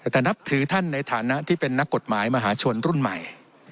แต่นับถือท่านในฐานะที่เป็นนักกฎหมายมหาชนรุ่นใหม่